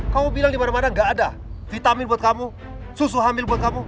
kamu bilang dimana mana gak ada vitamin buat kamu susu hamil buat kamu